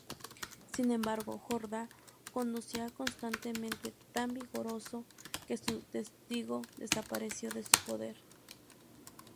Sin embargo, Jordá conducía constantemente tan vigoroso que su testigo desapareció de su poder.